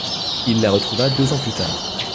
Il la retrouva deux ans plus tard.